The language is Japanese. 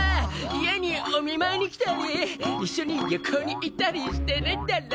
家にお見舞いに来たり一緒に旅行に行ったりしてるんだろ？